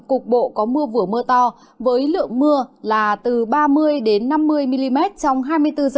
cục bộ có mưa vừa mưa to với lượng mưa là từ ba mươi năm mươi mm trong hai mươi bốn h